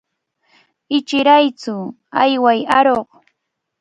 Ichiraytsu, ayway aruq.